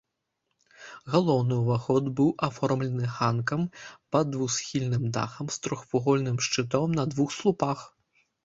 Галоўны ўваход быў аформлены ганкам пад двухсхільным дахам з трохвугольным шчытом на двух слупах.